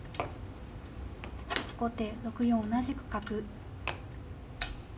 後手６四同じく角。